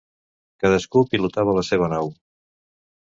Cadascú pilotava la seva nau.